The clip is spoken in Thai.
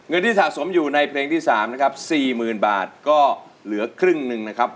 เงินที่สะสมอยู่ในเพลงที่๓นะครับ๔๐๐๐บาทก็เหลือครึ่งหนึ่งนะครับ